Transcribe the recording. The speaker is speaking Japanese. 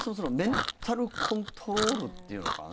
メンタルコントロールっていうのかな。